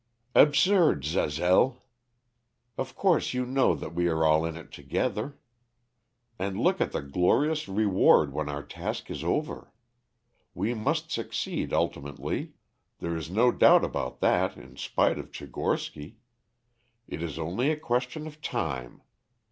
"Absurd, Zazel. Of course you know that we are all in it together. And look at the glorious reward when our task is over. We must succeed ultimately, there is no doubt about that in spite of Tchigorsky. It is only a question of time.